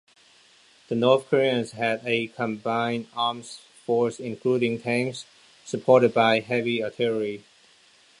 The North Koreans had a combined arms force including tanks supported by heavy artillery.